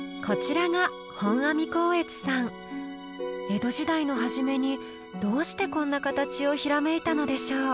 江戸時代の初めにどうしてこんな形をひらめいたのでしょう。